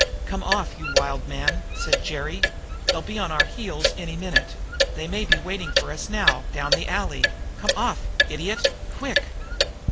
"Come off, you wild man," said Jerry. "They'll be on our heels any minute they may be waiting for us now, down the alley come off, idiot, quick!"